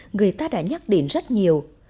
người ta đã nhắc đến rất nhiều